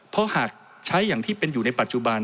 เพราะหากใช้อย่างที่เป็นอยู่ในปัจจุบัน